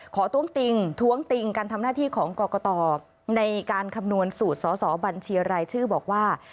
ท้วงติงท้วงติงการทำหน้าที่ของกรกตในการคำนวณสูตรสอสอบัญชีรายชื่อบอกว่า